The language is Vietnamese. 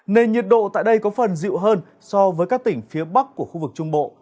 nền nhiệt độ tại đây có phần dịu hơn so với các tỉnh phía bắc của khu vực trung bộ